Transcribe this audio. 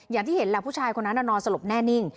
อย่างที่เห็นแหละผู้ชายคนนั้นนอนสลบแน่นิ่ง